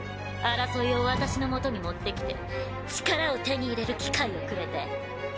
争いを私のもとに持ってきて力を手に入れる機会をくれて。